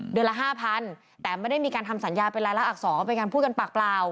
เดือนละ๕๐๐๐แต่ไม่ได้มีการทำสัญญาเป็นไรล่ะอักษรเลยเป็นการพูดกันปากปราว